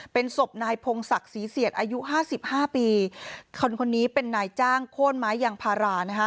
เป็นศพนายพงศักดิ์ศรีเสียรอายุ๕๕ปีคนนี้เป็นนายจ้างโค้นไม้อย่างพารา